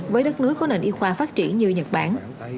với đất nước có nền y khoa phát triển như nhật bản